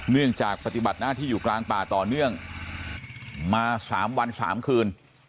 เนื่องจากปฏิบัติหน้าที่อยู่กลางป่าต่อเนื่องมา๓วัน๓คืน